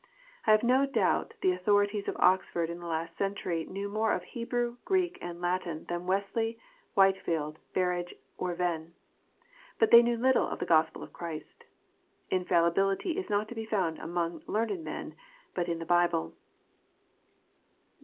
I have no doubt the authorities of Oxford in the last century knew more of Hebrew, Greek, and Latin, than Wesley, Whitefield, Berridge, or Venn. But they knew little of the Gospel of Christ. Infallibility is not to be found among learned men, but in the Bible.